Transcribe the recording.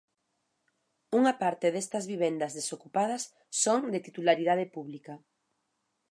Unha parte destas vivendas desocupadas son de titularidade pública.